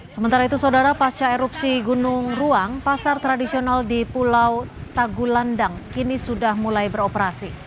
sementara itu saudara pasca erupsi gunung ruang pasar tradisional di pulau tagulandang kini sudah mulai beroperasi